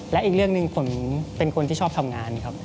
และอีกเรื่องหนึ่งผมเป็นคนที่ชอบทำงานครับ